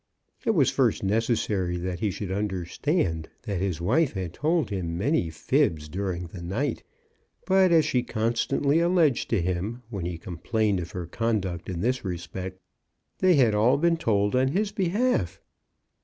It was first necessary that he should understand that his wife had told him many fibs during the night; but, as she constantly alleged to him when he complained of her conduct in this re spect, they had all been told on his behalf.